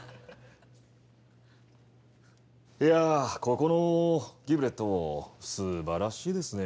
いやあここのギムレットすばらしいですね。